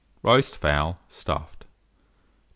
ROAST FOWL, Stuffed. 965.